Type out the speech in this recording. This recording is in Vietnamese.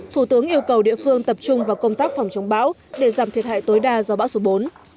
thủ tướng yêu cầu địa phương tập trung vào công tác phòng chống bão để giảm thiệt hại tối đa do bão số bốn